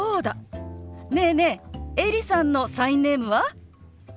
ねえねえエリさんのサインネームは？